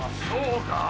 そうか。